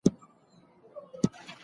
ازادي راډیو د امنیت ته پام اړولی.